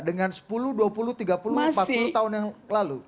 dengan sepuluh dua puluh tiga puluh empat puluh tahun yang lalu